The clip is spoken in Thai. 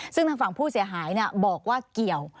ซึ่งทางฝั่งผู้เสียหายบอกว่าเกี่ยว